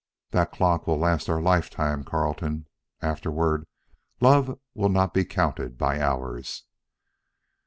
'" "That clock will last our lifetime, Carleton. Afterward, love will not be counted by hours."